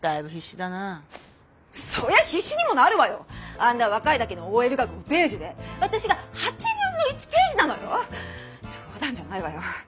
あんな若いだけのＯＬが５ページで私が８分の１ページなのよ！冗談じゃないわよ！